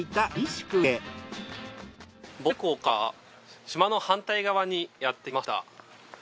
坊勢港から島の反対側にやってきました。